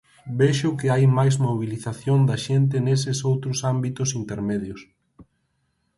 Vexo que hai máis mobilización da xente neses outros ámbitos intermedios.